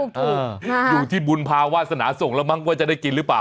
อยู่ที่บุญภาวาสนาส่งแล้วมั้งว่าจะได้กินหรือเปล่า